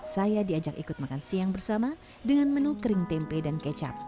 saya diajak ikut makan siang bersama dengan menu kering tempe dan kecap